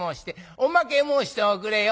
おまけ申しておくれよ。